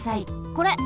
これ。